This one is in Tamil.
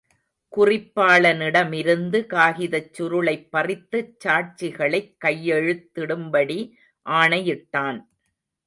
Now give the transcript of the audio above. குறிப்பாளனிடமிருந்து காகிதச் சுருளைப் பறித்துச் சாட்சிகளைக் கையெழுத்திடும்படி ஆணையிட்டான்.